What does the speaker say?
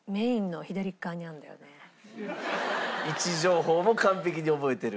けどね位置情報も完璧に覚えてる。